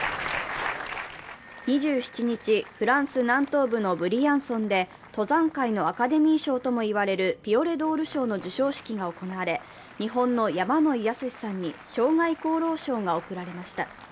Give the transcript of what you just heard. ２７日、フランス南東部のブリアンソンで登山界のアカデミー賞ともいわれるピオレドール賞の授賞式が行われ、日本の山野井泰史さんに生涯功労賞が贈られました。